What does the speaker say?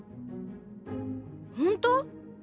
「ほんと⁉」。